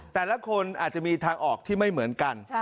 แต่ละคนอาจจะมีทางออกที่ไม่เหมือนกัน